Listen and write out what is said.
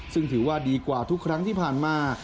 ซึ่งถือว่าดีกว่าทุกครั้งที่ผ่านมา